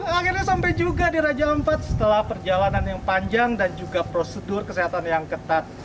akhirnya sampai juga di raja ampat setelah perjalanan yang panjang dan juga prosedur kesehatan yang ketat